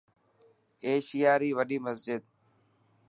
ايشياري وڏي مسجد.